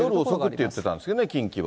夜遅くって言ってたんですよね、近畿は。